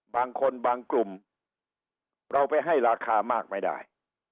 บางคนบางกลุ่มเราไปให้ราคามากไม่ได้